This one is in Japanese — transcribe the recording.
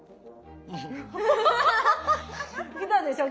きたでしょ？